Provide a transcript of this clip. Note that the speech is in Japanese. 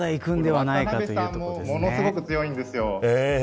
渡辺さんもものすごく強いんですよ。